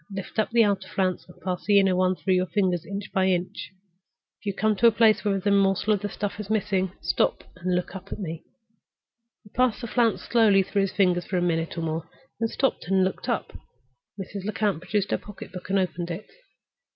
Lift up the outer flounce, and pass the inner one through your fingers, inch by inch. If you come to a place where there is a morsel of the stuff missing, stop and look up at me." He passed the flounce slowly through his fingers for a minute or more, then stopped and looked up. Mrs. Lecount produced her pocket book and opened it.